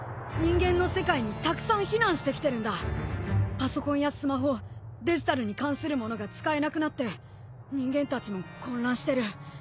パソコンやスマホデジタルに関するものが使えなくなって人間たちも混乱してる。